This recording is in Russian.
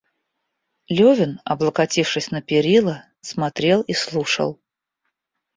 Левин, облокотившись на перила, смотрел и слушал.